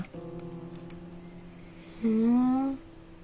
ふん。